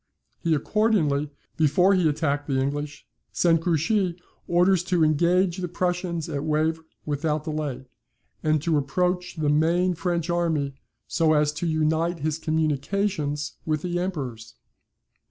He accordingly, before he attacked the English, sent Grouchy orders to engage the Prussians at Wavre without delay, AND TO APPROACH THE MAIN FRENCH ARMY, SO AS TO UNITE HIS COMMUNICATIONS WITH THE EMPEROR'S.